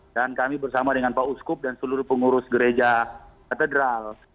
dan kami bersama dengan pak uskup dan seluruh pengurus gereja katedral